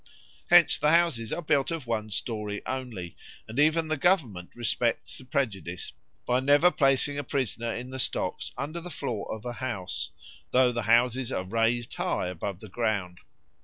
Hence the houses are built of one story only; and even the Government respects the prejudice by never placing a prisoner in the stocks under the floor of a house, though the houses are raised high above the ground.